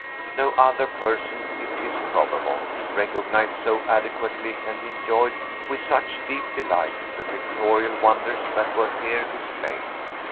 No other person, it is probable, recognized so adequately, and enjoyed with such deep delight, the pictorial wonders that were here displayed.